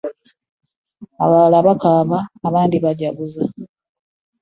Abalala nga bakaaba, abandi bejjaguza.